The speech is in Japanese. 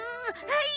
はい！